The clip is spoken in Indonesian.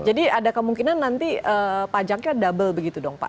jadi ada kemungkinan nanti pajaknya double begitu dong pak